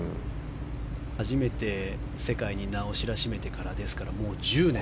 初めて世界に名を知らしめてからですから、もう１０年。